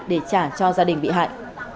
để trả cho gia đình bị hại